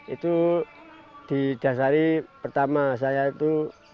itu di dasari pertama saya itu